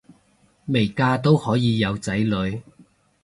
未嫁都可以有仔女